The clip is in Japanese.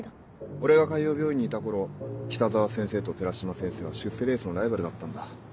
俺が海王病院にいた頃北澤先生と寺島先生は出世レースのライバルだったんだ。